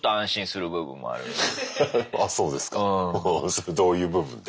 それどういう部分で？